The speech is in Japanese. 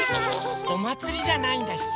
おまつりじゃないんだしさ。